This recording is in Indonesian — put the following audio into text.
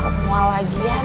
kok mau lagi ya neng